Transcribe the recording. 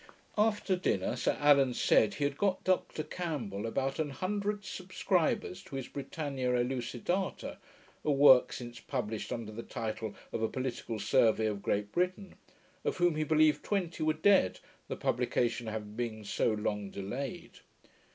After dinner, Sir Allan said he had got Dr Campbell about a hundred subscribers to his Britannia Elucidata (a work since published under the title of A Political Survey of Great Britain), of whom he believed twenty were dead, the publication having been so long delayed.